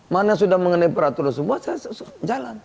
mana sudah mengenai peraturan semua saya jalan